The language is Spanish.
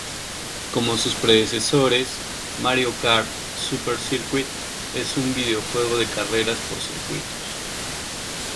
Como sus predecesores, "Mario Kart: Super Circuit" es un videojuego de carreras por circuitos.